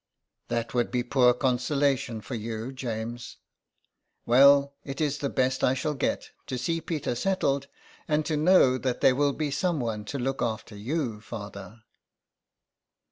" That would be poor consolation for you, James." '' Well, it is the best I shall get, to see Peter settled, and to know that there will be some one to look after you, father."